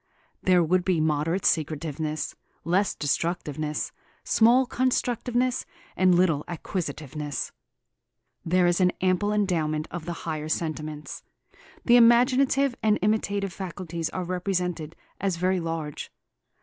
There would be moderate secretiveness, less destructiveness, small constructiveness, and little acquisitiveness. There is an ample endowment of the higher sentiments. The imaginative and imitative faculties are represented as very large.